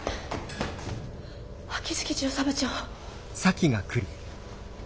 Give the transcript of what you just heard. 秋月巡査部長。